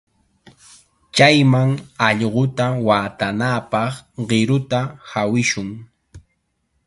Chayman allquta watanapaq qiruta hawishun.